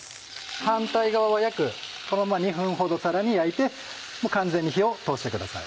反対側は約このまま２分ほどさらに焼いてもう完全に火を通してください。